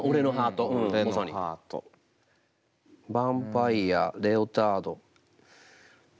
ヴァンパイアレオタード。